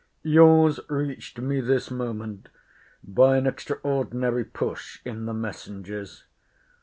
Your's reached me this moment, by an extraordinary push in the messengers.